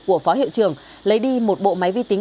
của phó hiệu trưởng lấy đi một bộ máy vi tính